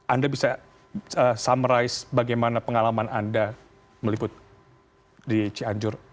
anda bisa summarize bagaimana pengalaman anda meliput di ici anjur